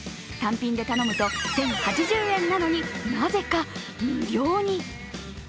単品で頼むと１０８０円なのになぜか無料に。